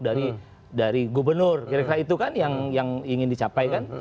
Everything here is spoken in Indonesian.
dari gubernur kira kira itu kan yang ingin dicapai kan